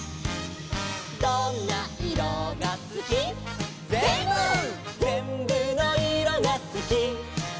「どんないろがすき」「ぜんぶ」「ぜんぶのいろがすき」